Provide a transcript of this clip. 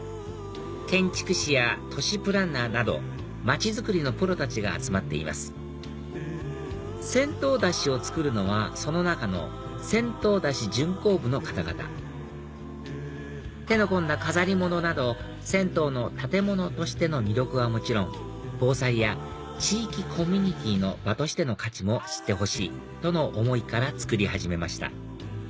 建築士や都市プランナーなど街づくりのプロたちが集まっています銭湯山車を作るのはその中の銭湯山車巡行部の方々手の込んだ飾り物など銭湯の建物としての魅力はもちろん防災や地域コミュニティーの場としての価値も知ってほしいとの思いから作り始めました